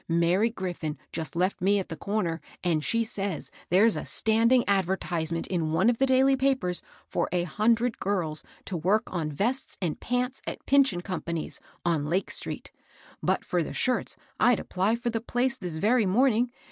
Mary Griffin just left me at the comer, and \" WORK WOEK WORK." 296 she says there's a standing advertisement in one of the daily papers for a hundred girls ta work on vests and pants at Pinch and Company's, on Lake street. But for the shirts, I'd apply for the place this very morning.